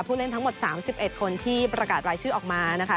เล่นทั้งหมด๓๑คนที่ประกาศรายชื่อออกมานะคะ